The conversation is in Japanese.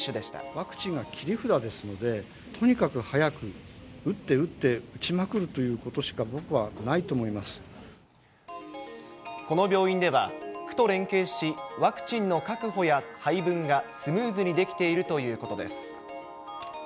ワクチンが切り札ですので、とにかく早く打って打って打ちまくるということしか、僕はないとこの病院では、区と連携し、ワクチンの確保や配分がスムーズにできているということです。